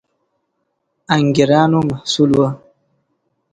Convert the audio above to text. انګېرنو محصول وو